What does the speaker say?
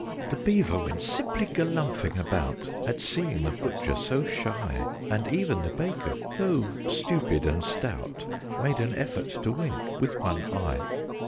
The Beaver went simply galumphing about, At seeing the Butcher so shy: And even the Baker, though stupid and stout, Made an effort to wink with one eye.